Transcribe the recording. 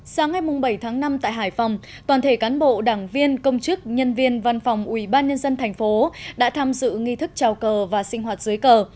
sáng ngày bảy tháng năm tại hải phòng toàn thể cán bộ đảng viên công chức nhân viên văn phòng ubnd tp đã tham dự nghi thức trào cờ và sinh hoạt dưới cờ